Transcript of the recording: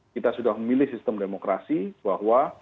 kita sudah memilih sistem demokrasi bahwa